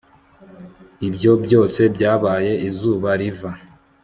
ibyo byose byabaye izuba riva